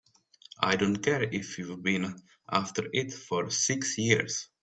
I don't care if you've been after it for six years!